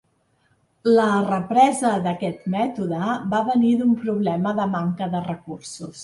La represa d'aquest mètode va venir d'un problema de manca de recursos.